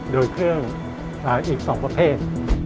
โดยเครื่องอีก๒ประเภท